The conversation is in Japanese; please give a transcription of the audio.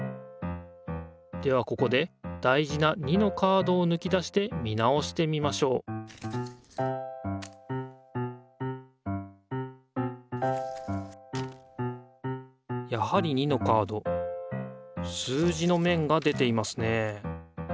ではここで大事な２のカードをぬき出して見直してみましょうやはり２のカード数字のめんが出ていますね